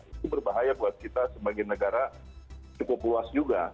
itu berbahaya buat kita sebagai negara cukup luas juga